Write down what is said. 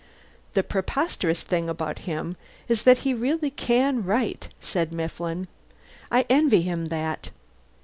"The preposterous thing about him is that he really can write," said Mifflin. "I envy him that.